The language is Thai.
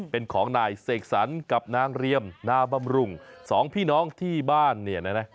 เป็นของนายเสกสรรกับนางเรียมนาบำรุงสองพี่น้องที่บ้านเนี่ยนะ